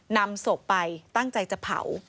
นำศพไปตั้งใจจะเผา